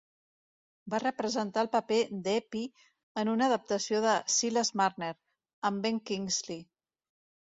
Va representar el paper d'Eppie en una adaptació de "Silas Marner", amb Ben Kingsley.